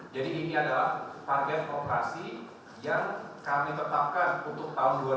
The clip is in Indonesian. ini adalah target operasi yang kami tetapkan untuk tahun dua ribu dua puluh